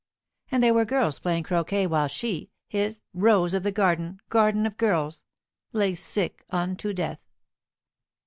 And there were girls playing croquêt while she, his "rose of the garden, garden of girls," lay sick unto death!